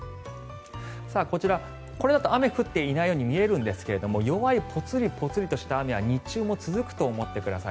こちら、これだと雨が降っていないように見えるんですが弱いぽつりぽつりとした雨は日中も続くと思ってください。